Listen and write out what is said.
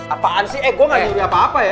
apaan sih eh gua gak curi apa apa ya